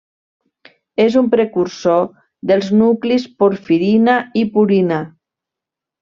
És un precursor dels nuclis porfirina i purina.